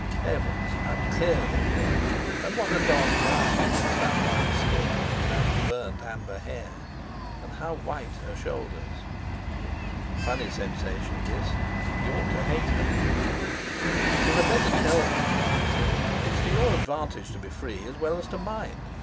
Heavens! how clear they were, and what a dark brown against that white skin, and that burnt amber hair! And how white her shoulders. Funny sensation this! He ought to hate her. "You had better tell me," he said; "it's to your advantage to be free as well as to mine.